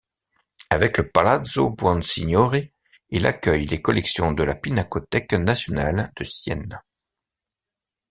Avec le palazzo Buonsignori il accueille les collections de la Pinacothèque nationale de Sienne.